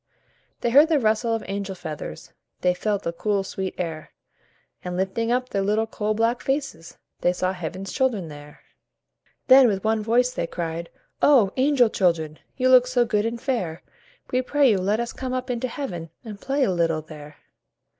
They heard the rustle of the angel feathers, They felt the cool sweet air, And, lifting up their little coal black faces, They saw Heaven's children there. Then with one voice they cried: "Oh! angel Children, You look so good and fair, We pray you, let us come up into Heaven And play a little there.